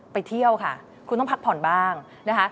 ไปเที่ยวค่ะคุณต้องพักผ่อนบ้างนะคะ